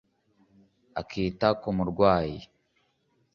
akita ku murwayi